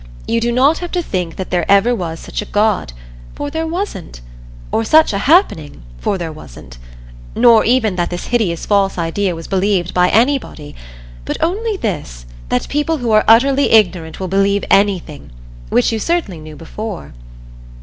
You do not have to think that there ever was such a God for there wasn't. Or such a happening for there wasn't. Nor even that this hideous false idea was believed by anybody. But only this that people who are utterly ignorant will believe anything which you certainly knew before.